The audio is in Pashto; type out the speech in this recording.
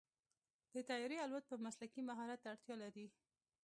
د طیارې الوت یو مسلکي مهارت ته اړتیا لري.